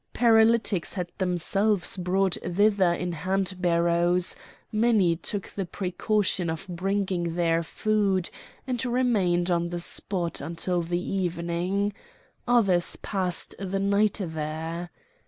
Paralytics had themselves brought thither in hand barrows; many took the precaution of bringing their food, and remained on the spot until the evening; others passed the night there.